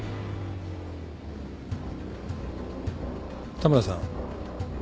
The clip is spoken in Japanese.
田村さん？